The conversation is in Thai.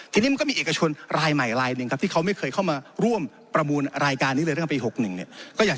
ทีนี้มันก็มีเอกชนรายใหม่รายนึงครับที่เขาไม่เคยเข้ามาร่วมประมูลรายการนี้เลย